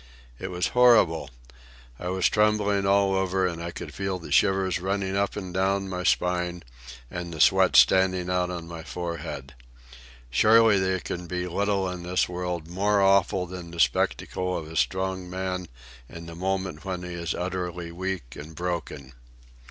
It was horrible. I was trembling all over, and I could feel the shivers running up and down my spine and the sweat standing out on my forehead. Surely there can be little in this world more awful than the spectacle of a strong man in the moment when he is utterly weak and broken.